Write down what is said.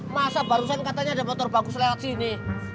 masa barusan katanya ada motor bagus lewat sini